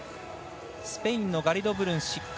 スペインのガリドブルン、失格。